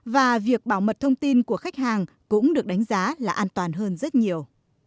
và việc bảo mật thông tin của khách hàng cũng được đánh giá là an toàn hơn rất nhiều